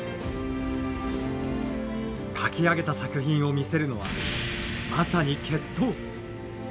描き上げた作品を見せるのはまさに決闘。